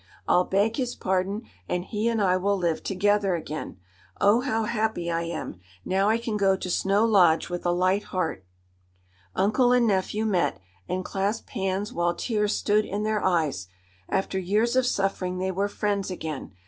"I'll beg his pardon, and he and I will live together again. Oh, how happy I am! Now I can go to Snow Lodge with a light heart." Uncle and nephew met, and clasped hands while tears stood in their eyes. After years of suffering they were friends again.